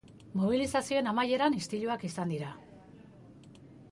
Mobilizazioen amaieran istiluak izan dira.